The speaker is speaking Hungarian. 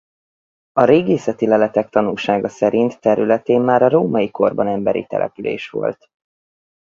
A régészeti leletek tanúsága szerint területén már a római korban emberi település volt.